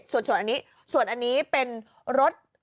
ส่วนอันนี้ส่วนอันนี้เป็นรถ